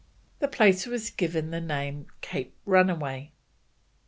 The place was given the name Cape Runaway.